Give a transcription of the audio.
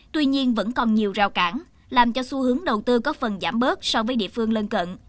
tuy nhiên vẫn còn nhiều rào cản làm cho xu hướng đầu tư có phần giảm bớt so với địa phương lân cận